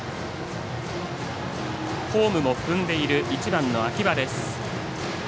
ホームも踏んでいる１番の秋葉です。